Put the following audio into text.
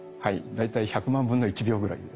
大体１００万分の１秒ぐらいで。